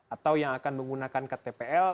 atau yang akan menggunakan ktpl